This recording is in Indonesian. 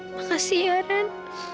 makasih ya ran